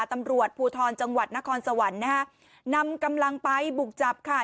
ตำรวจภูทรจังหวัดนครสวรรค์นะฮะนำกำลังไปบุกจับค่ะ